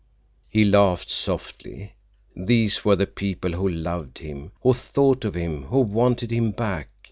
He laughed softly. These were the people who loved him, who thought of him, who wanted him back.